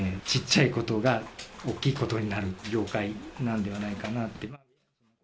ちっちゃいことがおっきいことになる業界なんではないかなと。